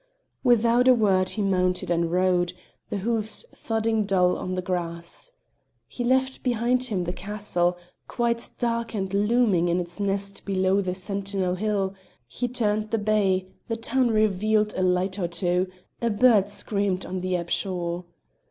Without a word he mounted and rode, the hoofs thudding dull on the grass. He left behind him the castle, quite dark and looming in its nest below the sentinel hill; he turned the bay; the town revealed a light or two; a bird screamed on the ebb shore.